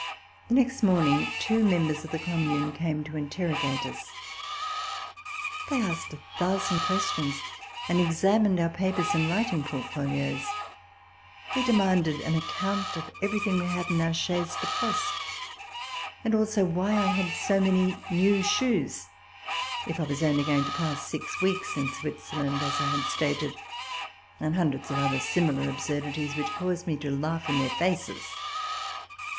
The next morning two members of the Commune came to interrogate us. They asked a thousand questions and examined our papers and writing port folios. They demanded an account of everything we had in our chaise de poste, also why I had so many new shoes, if I was only going to pass six weeks in Switzerland, as I had stated, and hundreds of other similar absurdities which caused me to laugh in their faces.